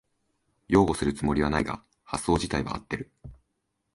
擁護するつもりはないが発想じたいは合ってる